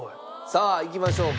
さあいきましょうか。